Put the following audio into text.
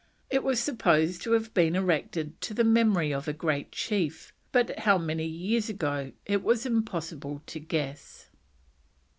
It was supposed to have been erected to the memory of a great chief, but how many years ago it was impossible to guess.